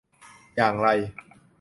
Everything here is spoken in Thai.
อย่างไร